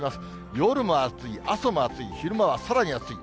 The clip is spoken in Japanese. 夜も暑い、朝も暑い、昼間はさらに暑い。